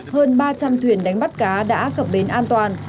hơn ba trăm linh thuyền đánh bắt cá đã cập bến an toàn